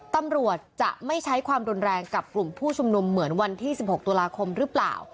ตำรวจจะไม่ใช้ความรุนแรงกับกลุ่มผู้ชุมนุมเหมือนวันที่๑๖ตุลาคมหรือเปล่า